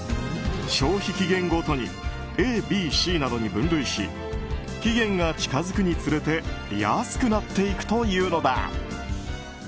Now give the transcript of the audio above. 消費期限ごとにＡ、Ｂ、Ｃなどに分類し期限が近づくにつれて安くなっていくというのだ。